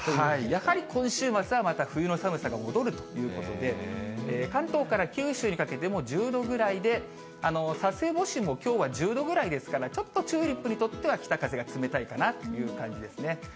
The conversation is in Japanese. やはり今週末はまた冬の寒さが戻るということで、関東から九州にかけても１０度ぐらいで、佐世保市もきょうは１０度ぐらいですから、ちょっとチューリップにとっては北風が冷たいかなという感じですね。